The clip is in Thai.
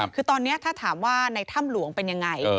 คือตอนนี้ถ้าถามว่าในถ้ำหลวงเป็นยังไง